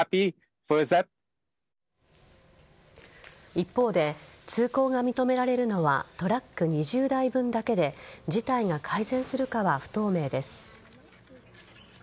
一方で、通行が認められるのはトラック２０台分だけで事態が改善するかは不透明です。